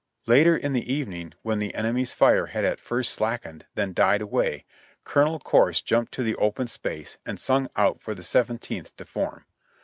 Late in the evening, when the enemy's fire had at first slack ened, then died away. Colonel Corse jumped to the open space and sung out for the Seventeenth to form.